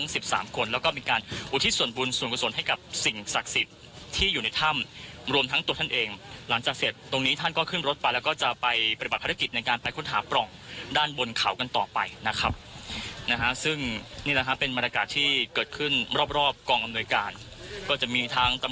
สิบสามคนแล้วก็มีการอุทิศส่วนบุญส่วนกุศลให้กับสิ่งศักดิ์สิทธิ์ที่อยู่ในถ้ำรวมทั้งตัวท่านเองหลังจากเสร็จตรงนี้ท่านก็ขึ้นรถไปแล้วก็จะไปปฏิบัติภารกิจในการไปค้นหาปล่องด้านบนเขากันต่อไปนะครับนะฮะซึ่งนี่แหละฮะเป็นบรรยากาศที่เกิดขึ้นรอบรอบกองอำนวยการก็จะมีทั้งตำ